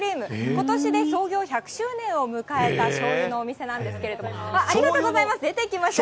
ことしで創業１００周年を迎えたしょうゆのお店なんですけれども、ありがとうございます、出てきました、